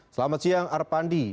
selamat siang arpandi